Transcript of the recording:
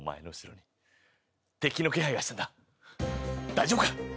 大丈夫か？